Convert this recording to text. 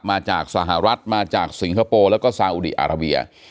มาจากสหรัฐมาจากสิงคโปร์แล้วก็ซาอุดีอาราเบีย